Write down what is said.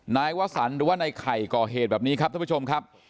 นายวสันหรือว่าในไข่ก่อเหตุแบบนี้ครับท่านผู้ชมครับ